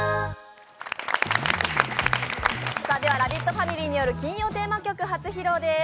ファミリーによる金曜テーマ曲、初披露です。